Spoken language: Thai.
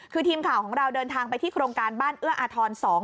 คือทีมข่าวของเราเดินทางไปที่โครงการบ้านเอื้ออาทร๒